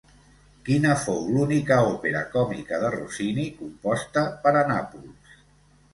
Quina fou l'única òpera còmica de Rossini composta per a Nàpols?